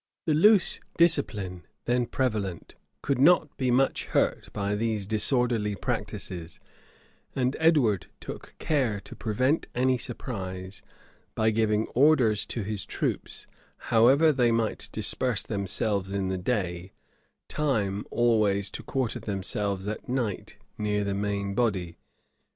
The loose discipline then prevalent could not be much hurt by these disorderly practices; and Edward took care to prevent any surprise, by giving orders to his troops, however they might disperse themselves in the day time, always to quarter themselves at night near the main body.